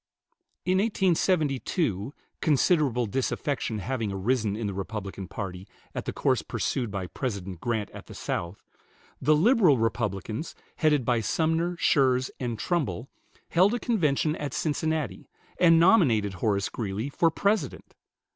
In 1872 considerable disaffection having arisen in the Republican party at the course pursued by President Grant at the South, the "Liberal Republicans," headed by Sumner, Schurz, and Trumbull, held a convention at Cincinnati, and nominated Horace Greeley for President.